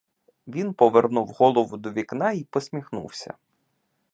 Він повернув голову до вікна й посміхнувся.